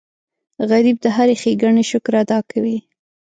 غریب د هرې ښېګڼې شکر ادا کوي